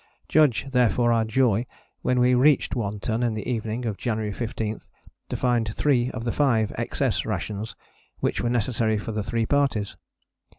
Judge therefore our joy when we reached One Ton in the evening of January 15 to find three of the five XS rations which were necessary for the three parties.